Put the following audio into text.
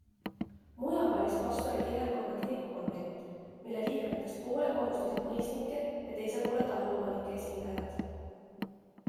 Mujal valis pastori kihelkonna kirikukonvent, mille liikmetest poole moodustasid mõisnike ja teise poole taluomanike esindajad.